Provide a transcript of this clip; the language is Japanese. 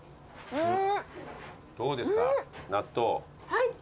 うん。